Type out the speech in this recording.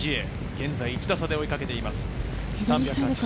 現在１打差で追いかけています。